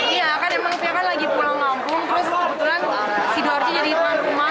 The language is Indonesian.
iya kan emang vivaland lagi pulang ngampung terus kebetulan sidoarjo jadi teman rumah